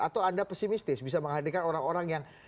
atau anda pesimistis bisa menghadirkan orang orang yang